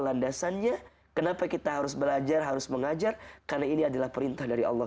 landasannya kenapa kita harus belajar harus mengajar karena ini adalah perintah dari allah